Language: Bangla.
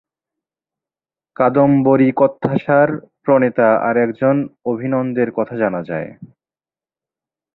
কাদম্বরীকথাসার প্রণেতা আর একজন অভিনন্দের কথা জানা যায়।